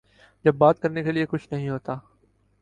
جب بات کرنے کیلئے کچھ نہیں ہوتا۔